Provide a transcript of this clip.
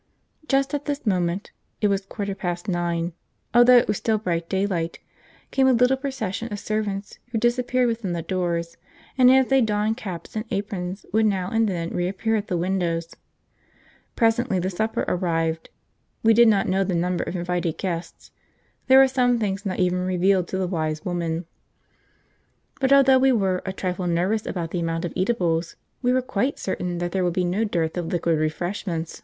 Just at this moment it was quarter past nine, although it was still bright daylight came a little procession of servants who disappeared within the doors, and, as they donned caps and aprons, would now and then reappear at the windows. Presently the supper arrived. We did not know the number of invited guests (there are some things not even revealed to the Wise Woman), but although we were a trifle nervous about the amount of eatables, we were quite certain that there would be no dearth of liquid refreshment.